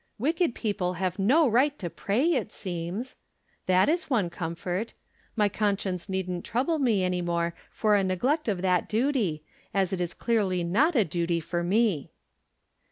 Wicked people have no right to pray, it seems. That is one comfort. My conscience needn't trouble me any more for a neglect of that duty, as it is clearly not a duty for me.